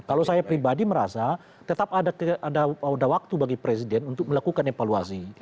kalau saya pribadi merasa tetap ada waktu bagi presiden untuk melakukan evaluasi